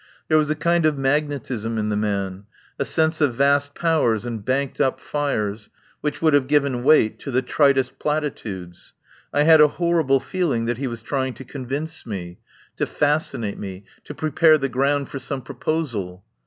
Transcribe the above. There was a kind of mag netism in the man, a sense of vast powers and banked up fires, which would have given weight to the tritest platitudes. I had a hor rible feeling that he was trying to convince me, to fascinate me, to prepare the ground for some proposal.